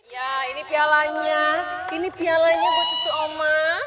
ya ini pialanya ini pialanya buat icu oma